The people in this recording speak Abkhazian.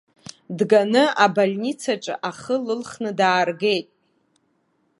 Дганы абольницаҿы ахы лылхны дааргеит.